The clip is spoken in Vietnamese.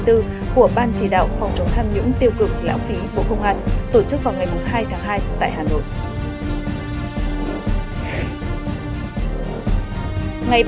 của ban chỉ đạo phòng chống tham nhũng tiêu cực lãng phí bộ công an tổ chức vào ngày hai tháng hai tại hà nội